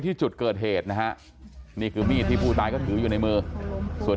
ที่จุดเกิดเหตุนะฮะนี่คือไม่พูดอะไรก็ถืออยู่ในมือส่วน